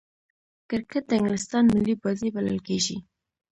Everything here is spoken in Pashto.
کرکټ د انګلستان ملي بازي بلل کیږي.